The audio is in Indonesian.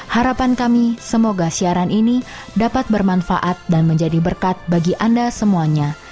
harapan kami semoga siaran ini dapat bermanfaat dan menjadi berkat bagi anda semuanya